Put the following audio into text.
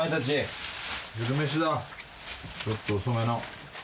ちょっと遅めの。